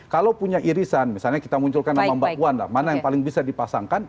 kalau punya irisan misalnya kita munculkan nama mbak puan lah mana yang paling bisa dipasangkan